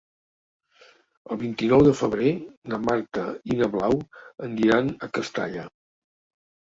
El vint-i-nou de febrer na Marta i na Blau aniran a Castalla.